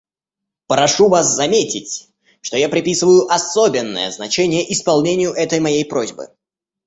Прошу вас заметить, что я приписываю особенное значение исполнению этой моей просьбы.